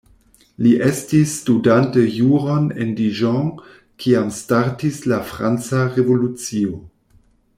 Li estis studante juron en Dijon kiam startis la Franca Revolucio.